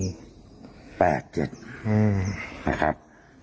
นะครับ